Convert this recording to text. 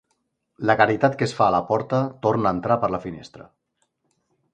La caritat que es fa a la porta, torna a entrar per la finestra.